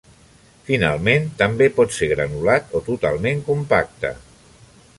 Finalment, també pot ser granulat o totalment compacte.